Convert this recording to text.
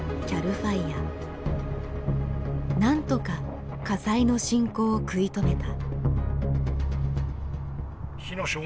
なんとか火災の進行を食い止めた。